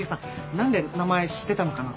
何で名前知ってたのかなと。